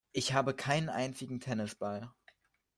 Ich habe keinen einzigen Tennisball.